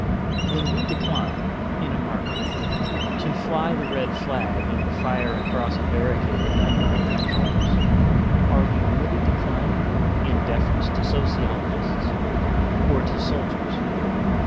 When we decline (in a marked manner) to fly the red flag and fire across a barricade like our grandfathers, are we really declining in deference to sociologists or to soldiers?